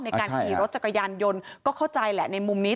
ในการขี่รถจักรยานยนต์ก็เข้าใจแหละในมุมนี้